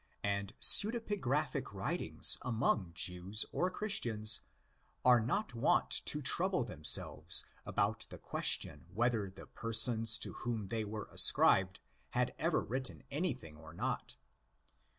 And pseudepigraphic writings among Jews or Christians are not wont to trouble themselves about the question whether the persons to whom they were ascribed had ever written anything or not.